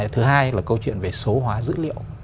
thứ hai là câu chuyện về số hóa dữ liệu